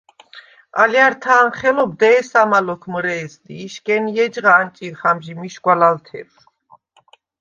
ალჲართა̄ნ ხელობ დე̄სამა ლოქ მჷრე̄ს ლი იშგენ ი ეჯღა ანჭინხ ამჟი მიშგვა ლალთერშვ.